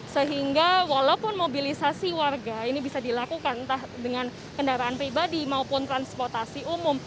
sehingga walaupun mobilisasi warga ini bisa dilakukan entah dengan kendaraan pribadi maupun transportasi umum